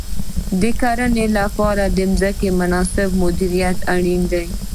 د کرنې لپاره د ځمکې مناسب مدیریت اړین دی.